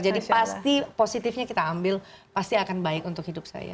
jadi pasti positifnya kita ambil pasti akan baik untuk hidup saya